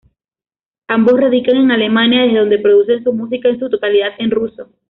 Ambos radican en Alemania, desde donde producen su música, en su totalidad en ruso.